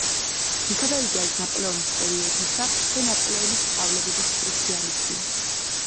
მიქაბერიძე არის ნაპოლეონის პერიოდისა და ნაპოლეონის სწავლებების სპეციალისტი.